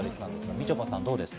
みちょぱさんどうですか？